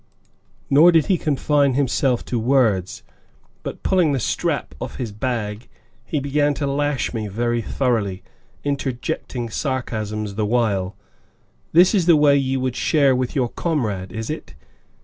Nor did he confine himself to words, but, pulling the strap off his bag, he began to lash me very thoroughly, interjecting sarcasms the while, "This is the way you would share with your comrade, is it!"